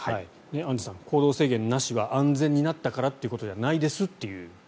アンジュさん行動制限なしは安全になったからということじゃないですと。